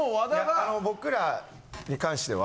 あの僕らに関しては。